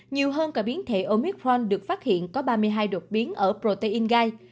nhiều hơn cả biến thể omitforn được phát hiện có ba mươi hai đột biến ở protein gai